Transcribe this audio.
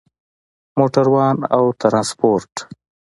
موټروان او ترانسپورت